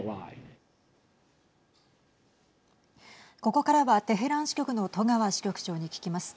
ここからはテヘラン支局の戸川支局長に聞きます。